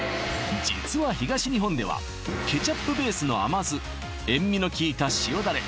実は東日本ではケチャップベースの甘酢塩味の効いた塩ダレ